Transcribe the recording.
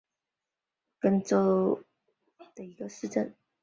贝滕豪森是德国图林根州的一个市镇。